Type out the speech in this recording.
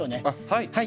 はい。